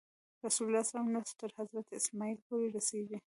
د رسول الله نسب تر حضرت اسماعیل پورې رسېږي.